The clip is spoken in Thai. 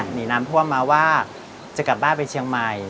หนีน้ำท่วมมาว่าจะกลับบ้านไปเชียงใหม่